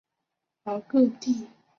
而各地文化也促进了这个变化。